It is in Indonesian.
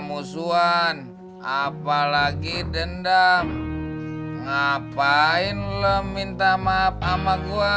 musuhan apalagi dendam ngapain lu minta maaf ama gua